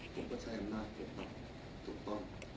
ผมก็ใช้อำนาจกรรมต่อ